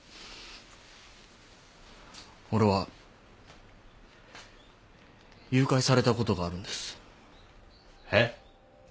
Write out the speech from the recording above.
俺は誘拐されたことがあるんです。えっ？